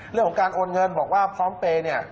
เรื่องของการโอนเงินบอกว่าพร้อมเปย์เนี่ย